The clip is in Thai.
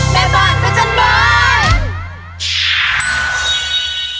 แม่บ้านพระจันทร์บ้าน